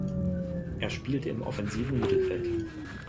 Er spielte im offensiven Mittelfeld.